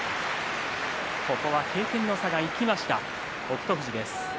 経験の差が生きました北勝富士です。